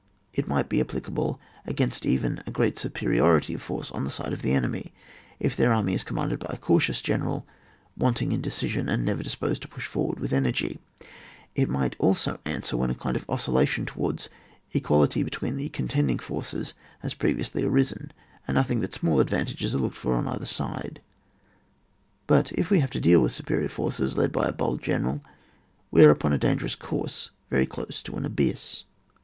It might be applicable against even a great superiority of force on the side of the enemy, if their army is commanded by a cautious general, wanting in de* oision, and never disposed to push for ward with energy ; it might also answer when a kind of oscillation towards equality between the contending forces has pre viously arisen, and nothing but smaU advantages are looked for on either side. But if we have to deal with superior forces, led by a bold general, we are upon a dangerous course, very close to an abyss.